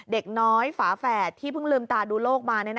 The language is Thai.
เด็กน้อยฝาแฝดที่เพิ่งลืมตาดูโลกมา